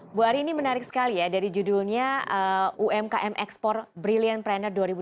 bu ari ini menarik sekali ya dari judulnya umkm ekspor brilliant pranner dua ribu dua puluh